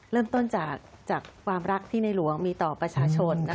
เริ่มต้นจากความรักที่ในหลวงมีต่อประชาชน